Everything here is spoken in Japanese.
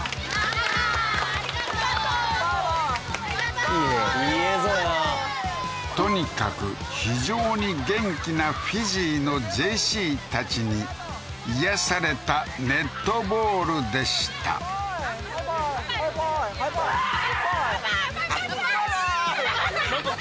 バイバイバーイいい映像やなとにかく非常に元気なフィジーのＪＣたちに癒やされたネットボールでしたバイバーイバイバーイバーイバイバイバイバーイ！